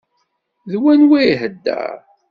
D wanwa ihedder?